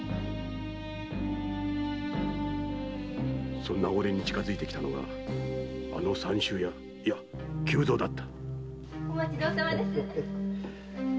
そんな俺に近づいてきたのがあの三州屋いや久蔵だった。